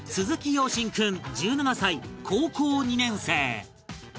陽心君１７歳高校２年生